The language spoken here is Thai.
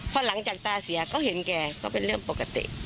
พอหลังจากตาเสียก็เห็นแกก็เป็นเรื่องปกติ